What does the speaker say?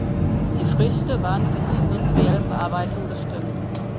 Die Früchte waren für die industrielle Verarbeitung bestimmt.